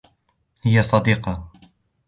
هي صديقة.